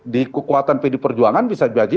di kekuatan pd perjuangan bisa jadi